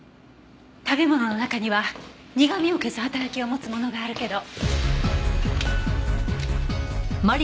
食べ物の中には苦味を消す働きを持つものがあるけど。